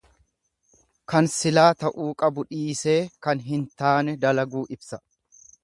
Kan silaa ta'uu qabu dhiisee kan hin taane dalaguu ibsa.